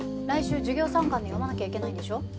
来週授業参観で読まなきゃいけないんでしょ？